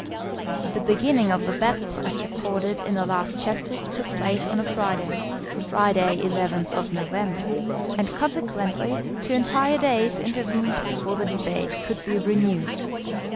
The beginning of the battle as recorded in the last chapter took place on a Friday, Friday, 11th November, and consequently two entire days intervened before the debate could be renewed.